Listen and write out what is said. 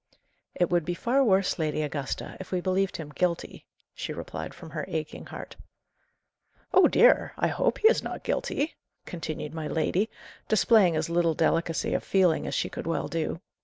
"It would be far worse, Lady Augusta, if we believed him guilty," she replied from her aching heart. "Oh, dear! I hope he is not guilty!" continued my lady, displaying as little delicacy of feeling as she could well do.